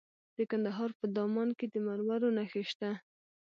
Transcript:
د کندهار په دامان کې د مرمرو نښې شته.